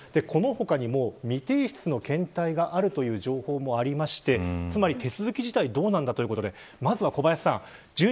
この他にも未提出の検体があるという情報もあってつまり、手続き自体がどうなのかということでまずは小林さん